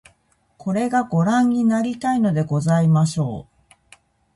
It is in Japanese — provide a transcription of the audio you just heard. これが御覧になりたいのでございましょう